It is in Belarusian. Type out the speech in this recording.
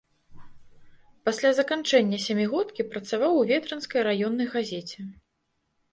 Пасля заканчэння сямігодкі працаваў у ветрынскай раённай газеце.